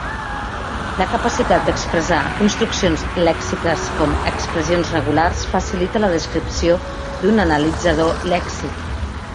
La capacitat d'expressar construccions lèxiques com expressions regulars facilita la descripció d'un analitzador lèxic.